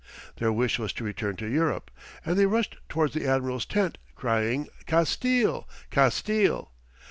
Their wish was to return to Europe, and they rushed towards the admiral's tent, crying, "Castille! Castille!"